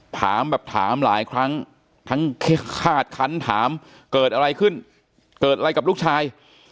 ถามแบบถามหลายครั้งทั้งแค่คาดคันถามเกิดอะไรขึ้นเกิดอะไรกับลูกชาย